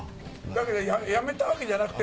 だけど辞めたわけじゃなくて。